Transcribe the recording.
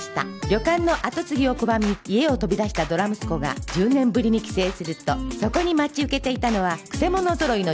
旅館の跡継ぎを拒み家を飛び出したドラ息子が１０年ぶりに帰省するとそこに待ち受けていたのはくせ者ぞろいの従業員たち